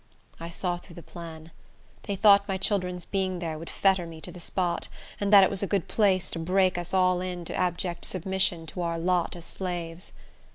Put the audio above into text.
I saw through the plan. They thought my children's being there would fetter me to the spot, and that it was a good place to break us all in to abject submission to our lot as slaves.